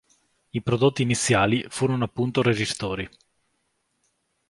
I prodotti iniziali furono appunto resistori.